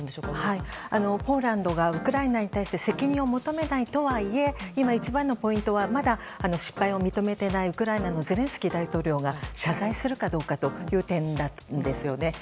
ポーランドがウクライナに対し責任を求めないとはいえ今一番のポイントは失敗を認めていないウクライナのゼレンスキー大統領が謝罪するかどうかという点なんですよね。